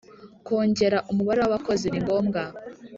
Kongera umubare w’Abakozi ni ngombwa